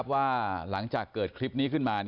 ว่าหลังจากเกิดคลิปนี้ขึ้นมา